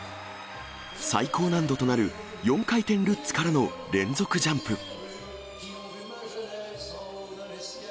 最高難度となる４回転ルッツからの連続ジャンプ。